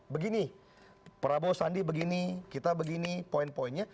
begini prabowo sandi begini kita begini poin poinnya